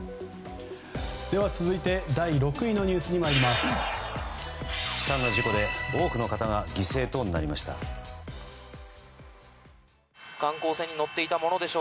続いて、第６位のニュースに参ります。